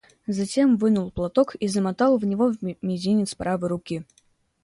Затем вынул платок и замотал в него мизинец правой руки.